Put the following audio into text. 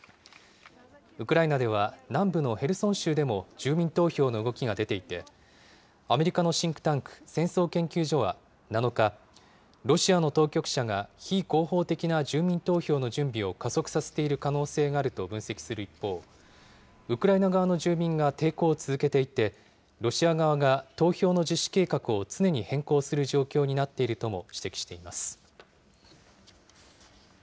ウクライナでは、南部のヘルソン州でも住民投票の動きが出ていて、アメリカのシンクタンク、戦争研究所は７日、ロシアの当局者が非合法的な住民投票の準備を加速させている可能性があると分析する一方、ウクライナ側の住民が抵抗を続けていて、ロシア側が投票の実施計画を常に変更する状況になっているとも指摘しています。